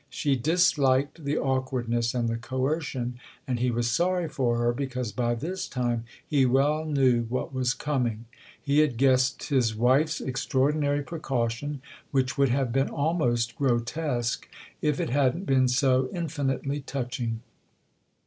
She disliked the awkwardness and the coercion, and he was sorry for her, because by this time he well knew what was coming. He had guessed his wife's extraordinary precaution, which would have been almost grotesque if it hadn't been so infinitely touching.